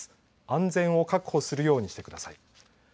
安全を確保するようにしてください。